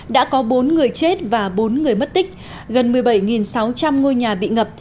đã có bốn người chết và bốn người mất tích gần một mươi bảy sáu trăm linh ngôi nhà bị ngập